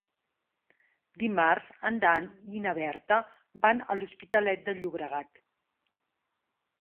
Dimarts en Dan i na Berta van a l'Hospitalet de Llobregat.